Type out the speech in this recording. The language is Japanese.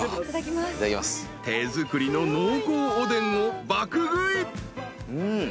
［手作りの濃厚おでんを爆食い］